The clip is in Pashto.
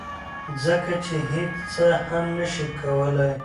ځکه چې هیڅ څه هم نشي کولی